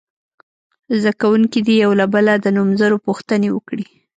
زده کوونکي دې یو له بله د نومځرو پوښتنې وکړي.